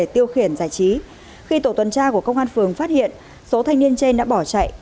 tiêu khiển giải trí khi tổ tuần tra của công an phường phát hiện số thanh niên trên đã bỏ chạy